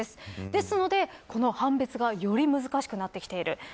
ですので、この判別がより難しくなってきている。